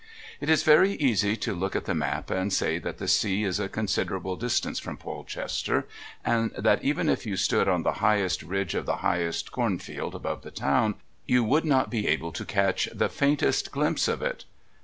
It is very easy to look at the map and say that the sea is a considerable distance from Polchester, and that even if you stood on the highest ridge of the highest cornfield above the town you would not be able to catch the faintest glimpse of it.